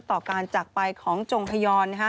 ต่อการจักรไปของจงฮยร